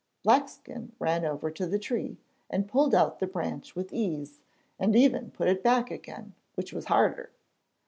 Blackskin ran over to the tree, and pulled out the branch with ease, and even put it back again, which was harder.